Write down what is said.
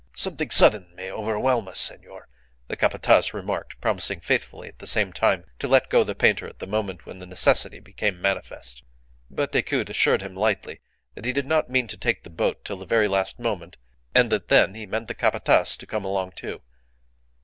"Something sudden may overwhelm us, senor," the Capataz remarked promising faithfully, at the same time, to let go the painter at the moment when the necessity became manifest. But Decoud assured him lightly that he did not mean to take to the boat till the very last moment, and that then he meant the Capataz to come along, too.